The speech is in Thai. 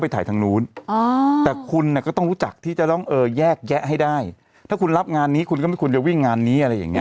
เพราะว่าคุณก็ต้องแบบคุณรับงานวิ่งอย่างนี้